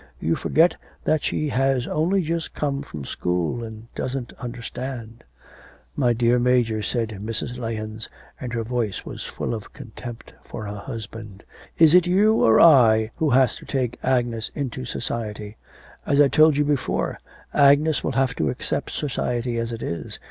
You forget that she has only just come from school and doesn't understand,' 'My dear Major,' said Mrs. Lahens, and her voice was full of contempt for her husband, 'is it you or I who has to take Agnes into society? As I told you before, Agnes will have to accept society as it is.